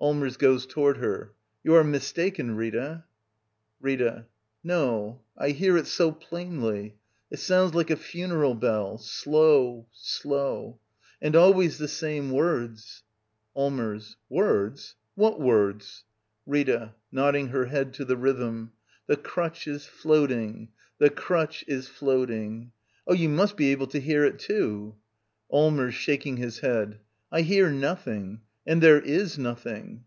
Allmers. [Goes toward her.] You are mis taken, Rita. Rita. No; I hear it so plainly. It sounds like N^^^arfu neral bell. Slow. Slow. And always the same words. Allmers. Words? What words? Rita. [Nodding her head to the rhj^hm.] Jx The crutch is — floating. The crutch is — float ^'"jng." ^* Oh, you must be able to hear it, too! Allmers. [Shaking his head.] I hear nothing. And there is nothing.